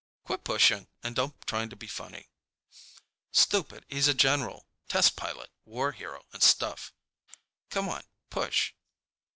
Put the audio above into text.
"Quit pushing and don't try to be funny." "Stupid, he's a general. Test pilot, war hero, and stuff. Come on, push."